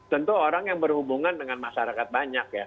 tentu orang yang berhubungan dengan masyarakat banyak ya